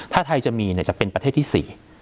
ถ้าไทยจะมีจะเป็นประเทศที่๔